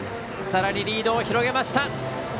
さらにリードを広げました。